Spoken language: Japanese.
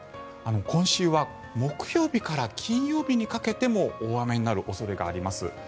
今週は木曜日から金曜日にかけても大雨になる恐れがあります。